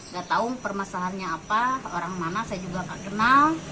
gak tahu permasalahannya apa orang mana saya juga gak kenal